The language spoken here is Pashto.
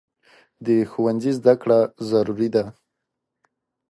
د ښوونځي زده کړه ضروري ده.